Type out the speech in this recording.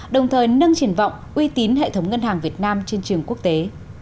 đồng thời nâng triển vọng uy tín hệ thống ngân hàng việt nam trên trường quốc tế